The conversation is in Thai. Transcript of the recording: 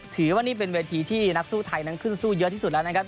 ถือว่านี่เป็นเวทีที่นักสู้ไทยนั้นขึ้นสู้เยอะที่สุดแล้วนะครับ